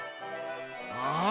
ああ！